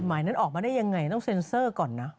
หมายนั้นออกมาได้ยังไงต้องเซ็นเซอร์ก่อนนะ